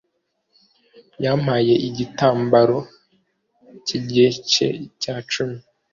Yampaye igitambaro cyigice cya cumi.